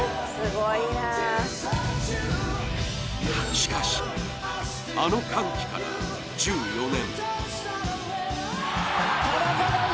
しかし、あの歓喜から１４年。